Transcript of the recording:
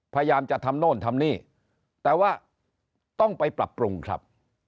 พยายามจะทำโน่นทำนี่แต่ว่าต้องไปปรับปรุงครับ